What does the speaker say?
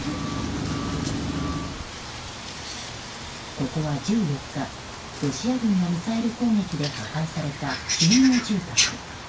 ここは１４日ロシア軍のミサイル攻撃で破壊された集合住宅。